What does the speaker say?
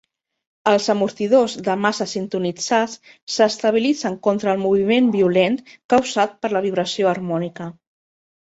Els amortidors de massa sintonitzats s'estabilitzen contra el moviment violent causat per la vibració harmònica.